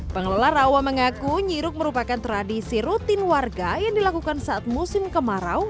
pengelola rawa mengaku nyiruk merupakan tradisi rutin warga yang dilakukan saat musim kemarau